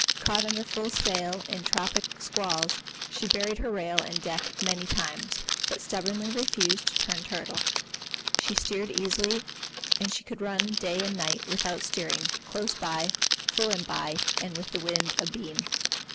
Caught under full sail in tropic squalls, she buried her rail and deck many times, but stubbornly refused to turn turtle. She steered easily, and she could run day and night, without steering, close by, full and by, and with the wind abeam.